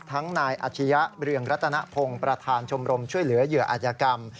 นายอาชียะเรืองรัตนพงศ์ประธานชมรมช่วยเหลือเหยื่ออาจยกรรม